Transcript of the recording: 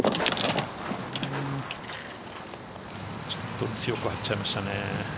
ちょっと強くやっちゃいましたね。